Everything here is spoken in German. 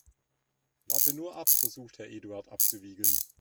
Warte nur ab, versucht Herr Eduard abzuwiegeln.